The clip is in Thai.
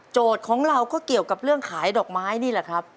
ของเราก็เกี่ยวกับเรื่องขายดอกไม้นี่แหละครับ